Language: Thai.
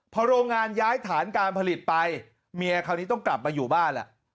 พอโรงงานย้ายฐานการผลิตไปเมียคราวนี้ต้องกลับมาอยู่บ้านแหละ